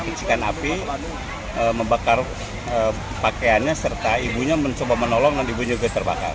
percikan api membakar pakaiannya serta ibunya mencoba menolong dan ibunya juga terbakar